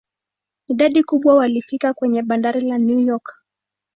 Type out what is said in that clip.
Idadi kubwa walifika kwenye bandari la New York.